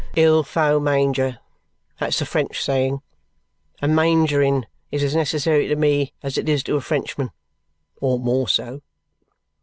"Ill fo manger. That's the French saying, and mangering is as necessary to me as it is to a Frenchman. Or more so."